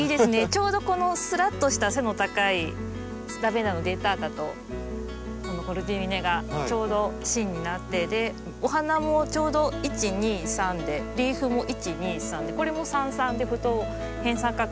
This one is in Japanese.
ちょうどこのすらっとした背の高いラベンダーのデンタータとコルジリネがちょうど芯になってお花もちょうど１２３でリーフも１２３でこれも３３で不等辺三角形で収まってますし。